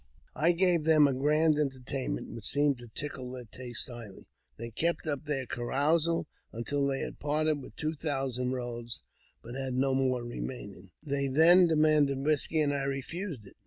I gave them a grand entertain ment, which seemed to tickle their tastes highly. They kept up their carousal until they had parted with two thousand 374 AUTOBIOGBAPHY OF robes, and had no more remaining. They then demanded whisky, and I refused it.